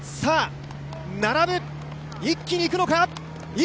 並ぶ、一気にいくのか？